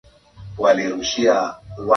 fungua mlango mara moja